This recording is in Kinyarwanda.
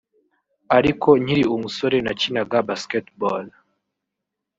ariko nkiri umusore nakinaga Basketball